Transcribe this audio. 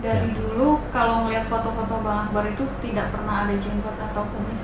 dari dulu kalau melihat foto foto bang akbar itu tidak pernah ada jemput atau kumis